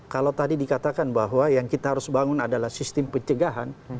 kalau tadi dikatakan bahwa yang kita harus bangun adalah sistem pencegahan